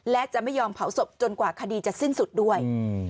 และจะไม่ยอมเผาศพจนกว่าคดีจะสิ้นสุดด้วย